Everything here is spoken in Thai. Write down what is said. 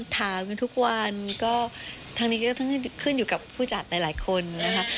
ถามกันทุกวันก็ทั้งนี้ก็ต้องขึ้นอยู่กับผู้จัดหลายคนนะคะ